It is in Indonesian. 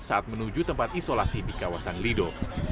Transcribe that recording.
saat menuju tempat isolasi di kawasan lido